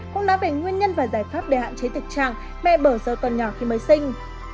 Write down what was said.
cũng nói về nguyên nhân và giải pháp để hạn chế tịch trạng mẹ bỏ rơi con nhỏ khi mới sinh